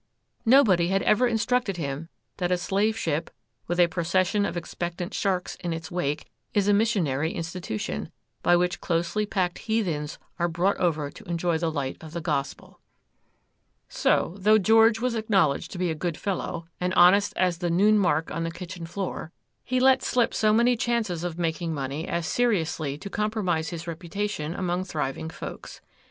Nobody had ever instructed him that a slave ship, with a procession of expectant sharks in its wake, is a missionary institution, by which closely packed heathens are brought over to enjoy the light of the gospel. So, though George was acknowledged to be a good fellow, and honest as the noon mark on the kitchen floor, he let slip so many chances of making money as seriously to compromise his reputation among thriving folks.